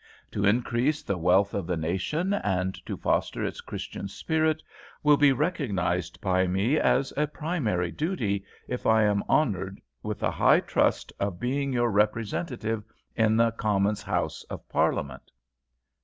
To increase the wealth of the nation and to foster its Christian spirit, will be recognised by me as a primary duty, if I am honoured with the high trust of being your representative in the Commons House of Parliament."